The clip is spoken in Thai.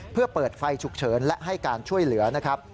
เพื่อเปิดไฟฉุกเฉินและให้การช่วยเหลือนะครับ